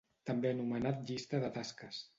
També anomenat Llista de Tasques.